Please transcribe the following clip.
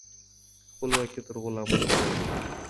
خپلواکي تر غلامۍ غوره ده.